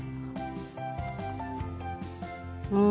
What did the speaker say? うん。